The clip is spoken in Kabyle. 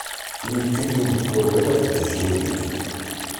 Ini-d kan yiwen n wawal, aqeddac-iw ad ikker.